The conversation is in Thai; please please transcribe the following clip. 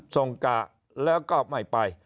กะแล้วก็ไม่ไป